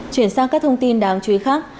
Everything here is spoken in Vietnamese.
chuyển sang các thông tin đáng chú ý khác